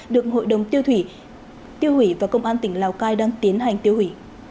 được hội đồng tiêu thủy và công an tỉnh lào cai đang tiến hành tiêu hủy